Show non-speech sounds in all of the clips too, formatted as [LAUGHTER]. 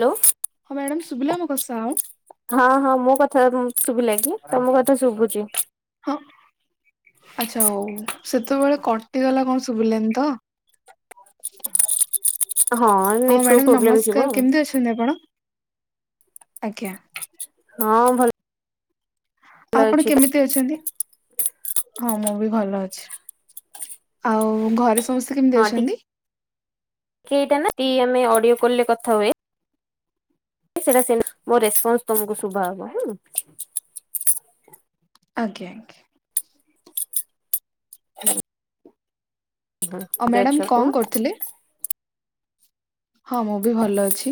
Hello ହଁ madam ସୁଭିଲା ମୋ କ ସାଉଣ୍ଡ। ହଁ ହଁ ମୋ ଶୁଭିଲା କି ତମ କଥା ଶୁଭୁଛି। [INAUDIBLE] ଆଛା ହଉ। ସେତେବେଳେ କଟିଗଲା କଣ ଶୁଭିଲାନି ତ ହଁ ନେଟୱାର୍କ ମ୍ୟାଡ଼ାମ ପ୍ରୋବ୍ଲେମ୍ ନମସ୍କାର ଥିବ ଆଉ କେମିତି ଅଛନ୍ତି ଆପଣ? ଆଜ୍ଞା। ହଁ ଭଲ ଆଉ ଆପଣ ଅଛି କେମିତି ଅଛନ୍ତି? ହଁ ମୁଁ ବି ଭଲ ଅଛି। ଆଉ ଘରେ ସ ସମସ୍ତେ କେମିତି ହଁ ଅଛନ୍ତି? କିଆମେ ଅଡିଓ କଲେ କଥା ହୁଏ ସେଟା ମୋ ରେସପନ୍ସ ତମକୁ ଶୁଭା ହବ କି? ଆଜ୍ଞା। [INAUDIBLE] ଅ କେମିତି ଅଛ ମ୍ୟାଡାାମ କୁହ କଣ କରୁଥିଲେ? ହଁ ମୁଁ ବି ଭଲ ଅଛି।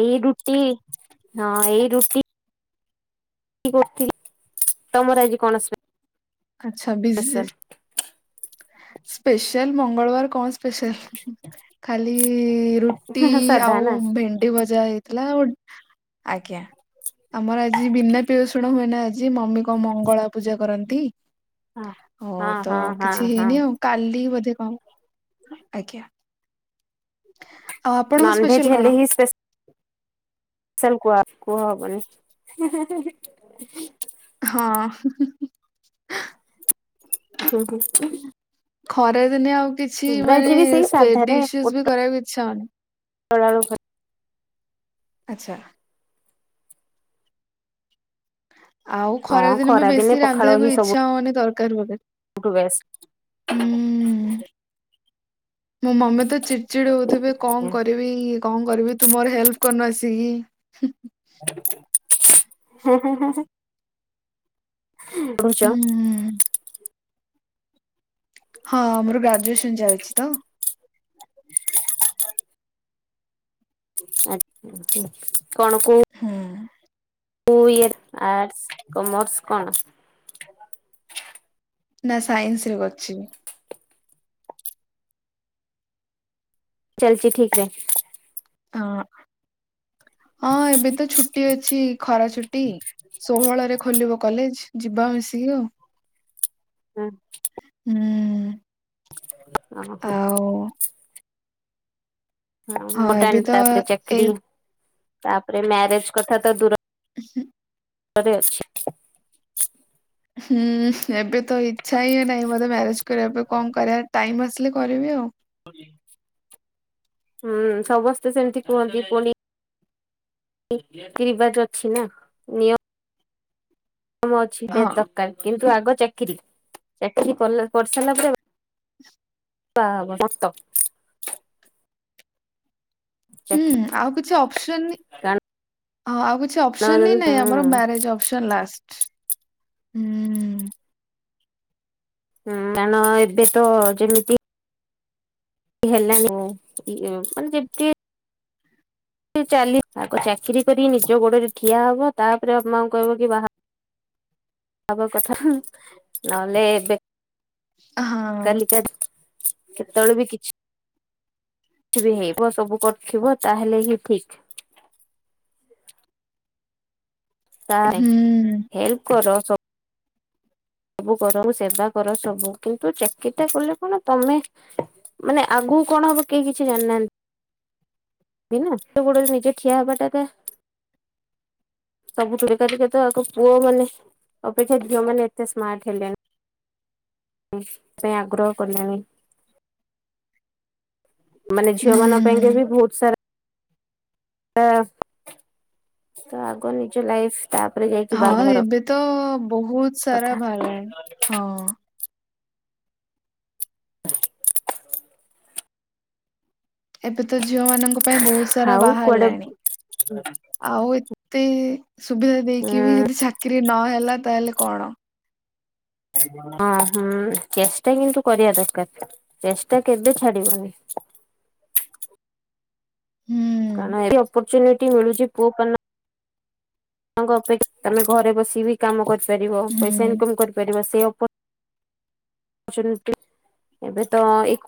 ଏଇ ରୁଟି ହଁ ଏଇ ରୁଟି ରୁଟି କରୁଥୀଲି ତମର ଆଜି କଣ ସ୍ ଆଛା ଵିଜ ସ୍ପେଶାଆଲ ମଙ୍ଗଳବାର କଣ ସ୍ପେଶାଲ ଖାଲି ରୁଟି ସାଧା ଆଉ ନା ଭେଣ୍ଡି ଭଜା ହେଇ ଥିଲା ଗୋ ଆଜ୍ଞା ଆମର ଆଜି ବିନା ପିଆଜ ରସୁଣ [UNINTELLIGIBLE] ହୁଏ ନା ଆଜି ମମି ମଙ୍ଗଳା ପୂଜା କରନ୍ତି ନ୍ତି ହଁ ହଁ ହଁ ହଁ। ଦିନି ଆଉ କା ଏତିକି ବୋଧେ କମ ଆଜ୍ଞା। ଆଉ ଆପଣଙ୍କ ସ୍ପେଶାଲ ନନଭେଜ କଣ? ହେଲେ ହିଁ ସ୍ପେ ସିଆଲ କୁହା କୁହା ହବନି ହଁ। ହୁଁ ହୁଁ। ଖରା ଦିନେ ଆଉ କିଛି ଆମର ଆଜି ମାନେ ବି ସେଇ ସ୍ପେ ଡିସେସ୍ ବି କରିବାକୁ ଇଚ୍ଛା ହଉନି। ଟଳ ଆଳୁ ଭ ଆଚ୍ଛା। ଆଉ ଖରା ହଁ ଦିନ ବି ଦିନେ ବେଶୀ ପଖାଳ ହିଁ ରାନ୍ଧିବାକୁ ସବୁ ଇଚ୍ଛା ହଉନି ତରକାରୀ ଫର୍କରି। ୟୁଟ୍ୟୁବ ହୁଁ ମୋ ମମି ତ ଚିଡ ଚିଡ ହଉଥିବେ କଣ କରିବି କଣ କରିବି? ତୁ ମୋର ହେଲ୍ପ କରନୁ ଆସିକି। ହଁ ହଁ। ରହୁଛ ହୁଁ [INAUDIBLE] ହଁ ଆମର ଗ୍ରାଜୁଏସନ ଚାଲିଛି ତ। [INAUDIBLE] ଆ କଣ କଉ ହୁଁ। ଓୟର୍ ଆର୍ଟସ୍ କମର୍ସ କଣ? [INAUDIBLE] ନା ସାଇନ୍ସ ରେ କରିଛି। ଚାଲଚି ଠିକରେ ହଁ। ହଁ ଏବେ ତ ଛୁଟି ଅଛି ଖରା ଛୁଟି ଷୋହଳ ରେ ଖୋଲିବ କଲେଜ। ଯିବା ମିଶିକି ଆଉ। ହଁ। ହୁଁ। ଓ ହୋ। ଆଉ ହଁ ଏବେ ପଟାନ ତ ତାପରେ ଏ ଚାକରି। ତାପରେ ମ୍ୟାରେଜ କଥା ତ ଦୂର ହୁଁ ରେ ଅଛି। [INAUDIBLE] ହୁଁ ଏବେ ତ ଇଚ୍ଛା ହି ନାଇଁ ମୋତେ ମ୍ୟାରେରେଜ କରିବା ପାଇଁ କଣ କରିବା। ଟାଇମ୍ ଆସିଲେ କରିବି ଆଉ। [INAUDIBLE] ହୁଁ ସମସ୍ତେ ସେମିତି କୁହନ୍ତି ପୁଣି [INAUDIBLE] ରିବାଜ ଅଛି ନା। ନି କମ ଅଛି ହଁ ବେତରକାର କିନ୍ତୁ ଆଗ ଚାକିରି ଚାକିରି କରିଲା କରି ସାରିଲା ପରେ [INAUDIBLE] ବାହାହେବ ସତ। ହୁଁ ଆଉ କିଛି ଅପ୍ସନ କାରଣ ହଁ ଆଉ କିଛି ଅପ୍ସନ ହିଁ ହୁଁ ନାଇଁ ଆମର ହୁଁ ମ୍ୟାରେଜ ଅପସନ୍ ଲାଷ୍ଟ। [INAUDIBLE] ହୁଁ। ହୁଁ କାରଣ ଏବେ ତ ଯେମିତି ହେଲାଣି ଇ ମାନେ ଯେମତି ଚାଲି ଆଗ ଚାକିରି କରି ନିଜ ଗୋଡରେ ଠିଆ ହବ ତାପରେ ବାପ ମାଙ୍କୁ କହିବ କି ବାହା ଆଗ କଥା ନହେଲେ ଏବେ ହଁ। କେତେବେଳେ ବି କିଛି କିଛି ବି ହେଇବ ସବୁ କରିଥିବ ତାହେଲେ ହିଁ ଠିକ। [INAUDIBLE] ତିହେଲେ ହୁଁ। ହେଲ୍ପ କର ସ ସବୁ କର ସବୁ ସେବା କର ସବୁ କିନ୍ତୁ ଚାକିଟା କଲେ କଣ ତମେ ମାନେ ଆଗକୁ କଣ ହବ କେହି କିଛି ଜାଣିନାହାନ୍ତି ନା ନିଜ ଗୋଡ଼ରେ ନିଜେ ଠିଆ ହବାଟା ତ ସବୁ ଠୁ ପୁଅ ମାନେ ଅପେକ୍ଷା ଝିଅ ମାନେ। ତେ ସ୍ମାର୍ଟ ହେଲେଣି। ଥିପାଇଁ ଆଗ୍ରହ କିଲେଣି । ମାନେ ଝିଅ ମଙ୍କ ପାଇଁକା ହୁଁ ବି ବହୁତ ସାରା ତ ଆଗ ନିଜ ଲାଇଫ ତାପରେ ଯାଇକି ହଁ ବାହାଘର ଏବେ ତ ବହୁତ ସାରା କଥା ବାହାରିଲାଣି ହଁ । ଏବେ ତ ଝିଅ ମାନଙ୍କ ପାଇଁ ବହୁତ ସାରା ଆଉ କୁଆଡେ ବାହାରିଲାଣି। ଆଉ ଏତେ ସୁବିଧା ଦେଇକି ବି ଉଁ ଯଦି ଚାକିରି ନ ହେଲା ତାହେଲେ କଣ। ହଁ ହୁଁ ଚେଷ୍ଟା କିନ୍ତୁ କରିବା ଦରକାର ଚେଷ୍ଟା କେବେ ଛାଡିବନି। ହୁଁ କାରଣ ଏତେ ଅପରଚୁନିଟି ମିଳୁଛି ପୁଅ ମାନଙ୍କ ଅପେକ୍ଷା ତମେ ଘରେ ବସି ବିି କାମ କରି ପାରିବ ପଇସା ଇନ ହୁଁ କମ କରିପାରିବ ସେ ଅପ ଚୁନିଟି ଏବେ ଏଇ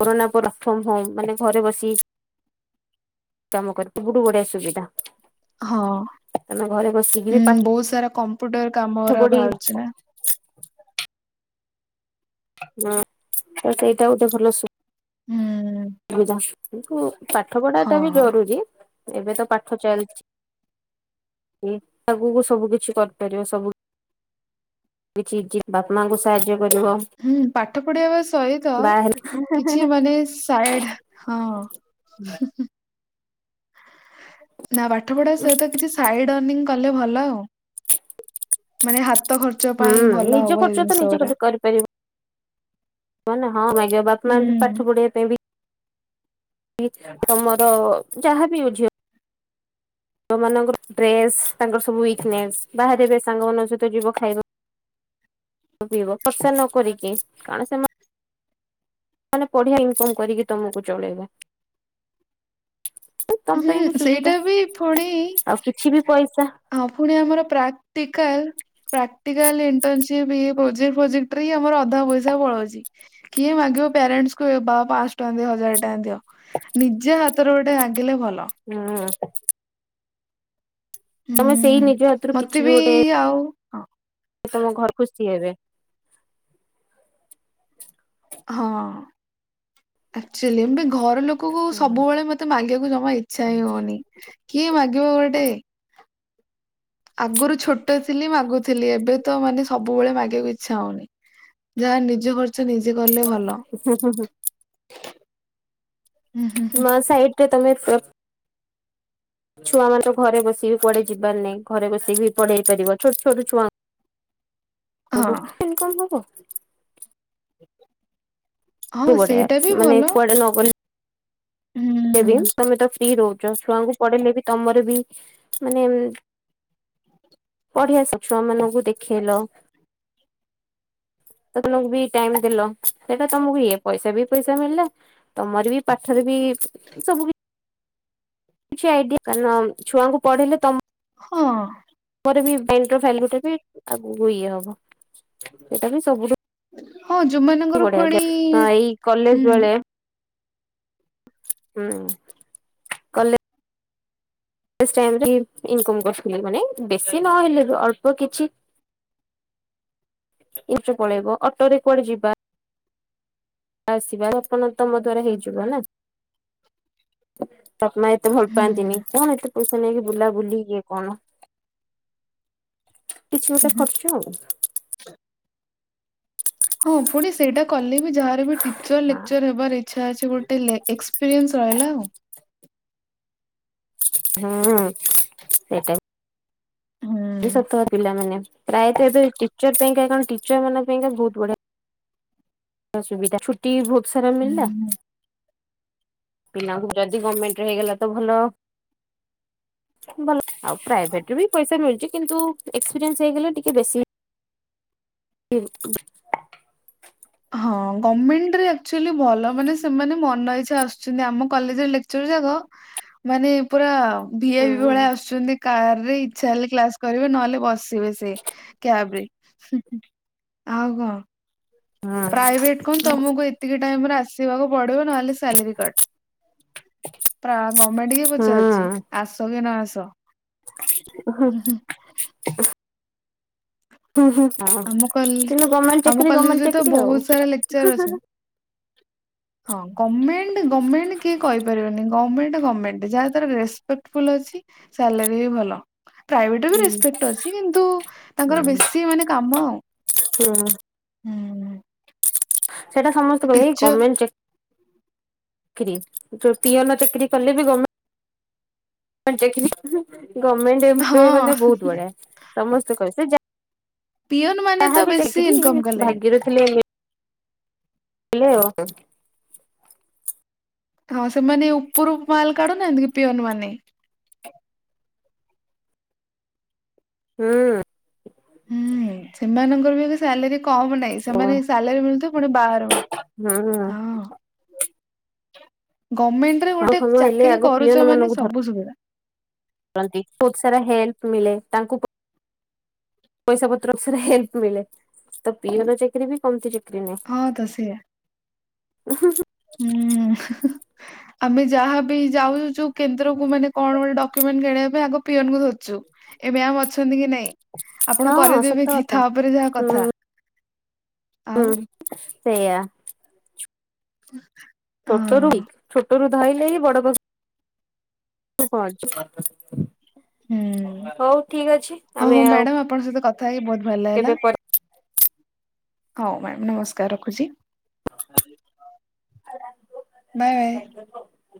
କୋରୋନା ପରେ ୱାର୍କ ଫ୍ରମ ହୋମ ମାନେ ଘରେ ବସି କାମ କରିବୁ ମାନେ ସବୁଠୁ ବଢିଆ ସୁବିଧା। ହଁଁ ତମେ ଘରେ ବସିକି ବି ବହୁତ ସାରା କମ୍ପ୍ୟୁଟର କାମ ପାଠ ଗୁରା ପଢି ବାହାରୁଛି ନା। ହଁ ତ ସେଇଟା ଗୋଟେ ଭଲ ସୁ ହୁଁ ବିଧା । [UNINTELLIGIBLE] ପାଠ ପଢା ଟା ବି ହଁ ଜରୁରୀ। ଏବେ ତ ପାଠ ଚାଲିଛି [UNINTELLIGIBLE] ଆଗକୁ ସବୁ କିଛି କରିପାରିବା ସବୁ । କିଛି କିଛି ବାପ ମାଙ୍କୁ ସାହାଯ୍ୟ କରିବ ହୁଁ ପାଠ ପଢେଇବା ସହିତ ବାହା ହେଲେ କିଛି ମାନେ ସାଇଡି ହଁ। ନା ପାଠ ପଢା ସହିତ କିଛି ସାଇଡ ଏର୍ଣିଂ । କଲେ ଭଲ ଆଉ। ମାନେ ହାତ ଖର୍ଚ୍ଚ ହୁଁ ପାଇଁ ଭଲ ନିଜ ହବ ଏ ଖର୍ଚ୍ଚ ତ ଜିନିଷ ନିଯେ ଗୁରା ଗୋଟେ କରିପାରିବ। ବ ନା। ହଁ ମାଗିବା ବାପ ମା ହୁଁ ବି ପାଠ ପଢିବା ପାଇଁ ବି ତମର ଯାହା ବି ହେଉ ଝିଅ ଝିଅ ବମାନଙ୍କର ଡ୍ରେସ୍ ତାଙ୍କର ସବୁ ୱିକନେସ୍ ବାହାରେ ସାଙ୍ଗମାନଙ୍କ ସହିତ ଯିବ ଖାଇବା [UNINTELLIGIBLE] ପିଇବ ଖର୍ଚ୍ଚ ନ କରିକି କାରଣ ସେମାନେ । ମାନେ ପଢିଆ ଇନକମ କରିକି ତମକୁ ଚଳେଇବେ। ତମ ହୁଁ ପାଇଁ ବି ସୁବିଧା ସେଇଟା ବି ପୁଣି ଆଉ କିଛି ବି ପଇସା ହଁ ପୁଣି ଆମର ପ୍ରାକ୍ଟିକାଲ। ପ୍ରାକ୍ଟିକାଲ ଇଣ୍ଟନସିପ ଇଏ ପ୍ରୋଜେକ୍ଟରେ ହିଁ ଆମର ଅଧା ପଇସା ପଳଳୋଉଚି କିଏ ମାଗିବ ପ୍ୟାରେଣ୍ଟସକୁ ବା ପାଞ୍ଚ ଟଙ୍କା ଦିଅ ହଜାର ଟଙ୍କା ଦିଅ। ନିଜେ ହାତରେ ଗୋଟେ ଲାଗିଲେ ଭଲ। ହୁଁ ତମେ ସେଇ ହୁଁ ନିଜ ହାତରୁ କିଛି ବି ଗୋଟେ ହଁ ତମ ଘରେ ଖୁସି ହେବେ। ହଁ ଆକଚ୍ୟୁଲି ଏ ଘର ଲୋକକୁ ହୁଁ ସବୁବେଳେ ମତେ ମାଗିବା ଜମା ଇଚ୍ଛା ହିଁ ହୋଉନି କିଏ ମାଗିବ ଗୋଟେ। ଆଗରୁ ଛୋଟ ଥିଲି ମା ମାଗୁଥିଲି ଏବେ ତ ମାନେ ସବୁବେଳେ ମାଗିବାକୁ ଇଚ୍ଛା ହୋଉନି। ଜାହା ନି ଜ ଖର୍ଚ୍ଚ ନିଜେ କଲେ ଭଲ। ହୁଁ ହୁଁ ହୁଁ। ନୂଆ ସାଇଟରେ ତମେ ଛୁଆମାନେ ଘରେ ବସିକି କୁଆଡେ ଯିବାର ନାହିଁ ଘରେ ବସିକି ବି ପଢେଇ ପାରିବ ଛୋଟ ଛୋଟ ଛୁଆ ହଁ ଙ୍କୁ ଏମିତି କଣ ହବ। ହଁ କିଏ ସେଇଟା ବି ପଠେଇବ ମାନେ ଭଲ କୁଆଡେ ନ ଗଲେ। ହୁଁ ତମେ ତ ଫ୍ରି ରହୁଚ ଛୁଆଙ୍କୁ ପଢେଇଲେ ବି ତମର ବି ମାନେ ପଢି ଆସ ଛୁଆ ମାନଙ୍କୁ ଦେଖେଇଲ। ତମକୁ ବି ଟାଇମ ଦେଲ ସେଇଟା ତମକୁ ଇଏ ପଇସା ବି ପଇସା ମିଳିଲା ତମର ବି ପାଠରେ ବି ସବୁ କି କିଛି ଆଇଡିଆ କାରଣ ଛୁଆଙ୍କୁ ପଢେଇଲେ ତମ ହଁ। ତାପରେ ବି ମାଇଣ୍ଡର ଫାଇଲ ଗୋଟେ ବି ଆଗକୁ ଇଏ ହବ ଏଟା ବି ସବୁଠୁ ହଁ ଯୋଉମାନଙ୍କର ଫୁଣି ବଢିଆ ଏଇ କଲେଜ ହୁଁ। ବେଳେ ହୁଁ କଲେ। ସେ ଟାଇମ ରେ ବି ଇନକମ୍ କରୁଥିଲି ମାନେ ବେଶୀ ନହେଲେ ବି ଅଳ୍ପ କିଛି ଇଏ ଫିଏ ରେ ପଳେଇବ ଅଟୋ ରେ କୁଆଡେ ଯିବା। ଆସିବା ଆପଣ ତମ ଦ୍ଵାରା ହେଇଯିବନା। ବାପ ମା ଏତେ ଭଲ ହୁଁ ପାଆନ୍ତିନି କଣ ଏତେ ପଇସା ନେଇ ବୁଲାବୁଲି କିଏ କଣ କିଛି ଗୋଟେ ହୁଁ ଖର୍ଚ୍ଚ ଆଉ ହଁ ପୁଣି ସେଇଟା କଲେ ବି ଯାହାର ବି ଟିଚର ଆଉ। ଲେକ୍ଚର ହେବାର ଇଛା ଅଛି ଗୋଟେ ଲେ ଏକ୍ସପିରିଏନ୍ସ ରହିଲା ଆଉ। ହୁଁ ସେଟାବି ହୁଁ ଛୋଟ ପିଲାମାନେ ପ୍ରାୟତ ଏବେ ଟିଚର ପାଇଁ କା କଣ ଟିଚର ମାନଙ୍କ ପାଇଁକା ବୋହୁତ ବଢିଆ ସୁବିଧା ଛୁଟି ଫୁ ସେରା ମିିଲିଲା। ହୁଁ [INAUDIBLE] ପିଲାଙ୍କୁ ଯଦି ଗମେଣ୍ଟ ହେଇଗଲା ତ ଭଲ [INAUDIBLE] ଭଲ ଆଉ ପ୍ରାଇଭେଟ ଉରହଫ୍ଔଉଓବି ପଇସା ମିଳୁଛି। କିନ୍ତୁ ଏକ୍ସପିରିଏନ୍ସ ହେଇଗଲେ ଟିକେ ବେଶୀ [UNINTELLIGIBLE] ହଁ ଗଭମେଣ୍ଟରେଚୁଲି ଭଲ ମାନେ ସେମାନେ ମନ ଇଚ୍ଛା ଆସୁଛନ୍ତି। ଆମ କଲେଜ ଲେକ୍ଚର ଯାକ ମାନେ ପୁରା ଭିଆଇବି ଭଳିଆ ହୁଁ ଆସୁଛନ୍ତି। କାର ରେ ଇଛା ହେଲେ କ୍ଲାସ କରିବେ ନହେଲେ ବସିବେ ସେ କ୍ୟାବ ରେ ଆଉ କଣ? ହୁଁ। ପ୍ରାଇଭେଟ କଣ ତମକୁ ଏତିକି ଟାଇମରେ ଆସିବାକୁ ପଡିବ ନହଲେ ସାଲାରି କଟ [INAUDIBLE] ଗମେଣ୍ଟ କିଏ ପଚାରୁଛି ଆସ କି ନଆସ । ତ ହଁ। ହୁଁ ହୁଁ ହଁ ଆମ କଲେ କିନ୍ତୁ ଗମେଣ୍ଟ ଆମ ଚାକିରୀ ଗମେଣ୍ଟ କଲେଜରେ ତ ଚାକିରି ବହୁତ ସାରା ଲେକ୍ଚର ଆଉ। ଅଛନ୍ତି। ହଁ। ଗମେଣ୍ଟ ଗମେଣ୍ଟ କିଏ କହିପାରିବନି । ଗମେଣ୍ଟ ଗମେଣ୍ଟ ଯାହାଦ୍ୱାରା ରେସପେକ୍ଟଫୁଲ୍ ଅଛି ସାଲାରୀ ବି ଭଲ। ପ୍ରାଇଭେଟ ବି ହୁଁ ରେସପେକ୍ଟ ଅଛି କିନ୍ତୁ ତାଙ୍କର ବେଶୀ ମାନେ ହୁଁ। ଉଁ ହୁଁ। ହ ସେଇଟା ସମସ୍ତେ କହିବେ ଏଇ ଗମେଣ୍ଟ ଚାକି [INAUDIBLE] ଚାକିରୀ ଯୋଉ ପିଅନ ଚାକିରି କଲେ ବି [INAUDIBLE] ଗର୍ମେଣ୍ଟ ଚାକିରୀ। ଗମେଣ୍ଟ ଏପ୍ଲୋଇ ମାନେ ହଁ ବହୁତ ବଢିଆ ସମସ୍ତେ କହିବେ ସେ ଯାହା ପିଅନ ମାନେ ଯାହା ତ ବି ବେଶୀ ଚାକିରି ଇନକମ କିନ୍ତୁ କଲେଣି। ଭାଗ୍ୟରେ ଥିଲେ ହାଲୋ। [INAUDIBLE] ହଁ ସେମାନେ ଉପରୁ ମାଲ କାଢୁନାହାଁନ୍ତି କି ପିଅନ ମାନେ ହ ହୁଁ। ହୁଁ। ଏମାନଙ୍କର ବି ସାଲେରୀ କମ ନାଇଁ ସେମାନେ ଯଦି ସାଲାରୀ ମିଳୁଥିବ ପୁଣି ବାହାରୁ ମିଳୁ ହୁଁ ହୁଁ। [INAUDIBLE] ଗମେଣ୍ଟ ରେ ଗୋଟେ ଚାକିରୀ ପିଅନ କରୁଛ ମାନେ ମାନଙ୍କୁ ସବୁ ସୁବିଧା । ଧରନ୍ତି ବହୁତ ସାରା ହେଲ୍ପ ମିଳେ ତାଙ୍କୁ ପଇସା ପତ୍ର ଅନୁସାରେ ହେଲ୍ପ ମିଳେ ତ ପିଅନ ଚାକିରି ବି କମତି ହଁ ତ ସେୟା। ହୁଁ ହୁଁ। ହୁଁ। ଆମେ ଯାହାବି ଯାଉଛୁ କେନ୍ଦ୍ରକୁ ମାନେ କଣ ଗୋ ଟେ ଡକ୍ୟୁମେଣ୍ଟ କିଣିବା ପାଇଁ ଆଗ ପିଅନକୁ ଧର୍ ଏ ମ୍ୟା ଅଛନ୍ତି କି ନାଇଁ ଆପଣ ହଁ ସତ କରେଇଦେବେ କି କଥା ତା ପରେ ଯାହା ହୁଁ। କଥା ହୁଁ। ଆଉ ସେଇୟା। [INAUDIBLE] ଛୋଟ ହଁ ଛୋଟରୁ ଧାଇଲେ ହିଁ ବଡ ପାଖକୁ ପହଞ୍ଚିବ। ହୁଁ ହଉ ଆମେ ହଉ ଆଉ ମ୍ୟାଡାମ ଆପଣଙ୍କ ସହିତ କଥା କଥା ହେଇ ବହୁତ ଭଲ ଲାଗିଲା। କେବେ ପରେ ହୋଉ ମ୍ୟାଡ଼ାମ ନମସ୍କାର ରଖୁଛି। Bye bye. [UNINTELLIGIBLE]